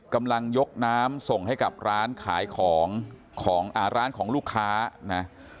กำลังยกน้ำส่งให้กับร้านขายของของอ่าร้านของลูกค้านะ